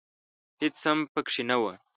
هېڅ هم پکښې نه و .